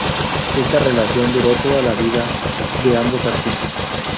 Esta relación duraría toda la vida de ambos artistas.